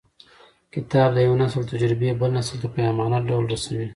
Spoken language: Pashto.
کتاب د یو نسل تجربې بل نسل ته په امانت ډول رسوي.